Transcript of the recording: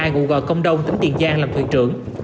ngụ công đông tỉnh tiền giang làm thuyền trưởng